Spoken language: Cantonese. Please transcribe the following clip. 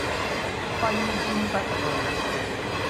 揮之不去